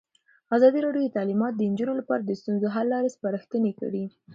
ازادي راډیو د تعلیمات د نجونو لپاره د ستونزو حل لارې سپارښتنې کړي.